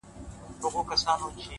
رښتیا تل بریا مومي’